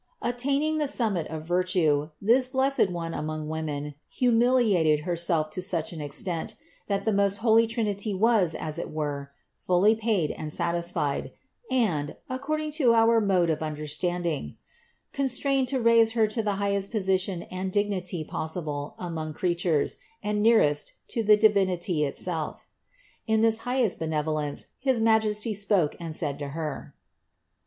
Attaining the summit of virtue, this blessed One among women humiliated Herself to such an extent, that the most holy Trinity was, as it were, fully paid and satisfied, and (according to our mode of under standing) constrained to raise Her to the highest position and dignity possible among creatures and nearest to the Divinity itself. In this highest benevolence his Majesty spoke and said to Her : 11.